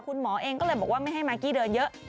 คุณหมอเองก็เลยบอกว่าไม่ให้มากกี้เดินเยอะ